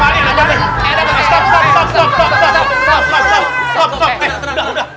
eh tenang udah udah